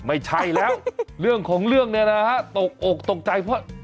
ไม่ใช่แล้วเรื่องของเรื่องเนี่ยนะฮะตกอกตกใจเพราะ